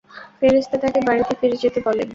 ফেরেশতা তাঁকে বাড়িতে ফিরে যেতে বলেন।